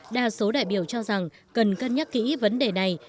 đa số đại biểu cho rằng cần cân nhắc kỹ vấn đề này